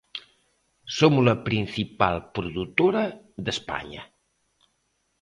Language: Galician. Somos a principal produtora de España.